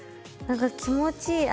何か気持ちいい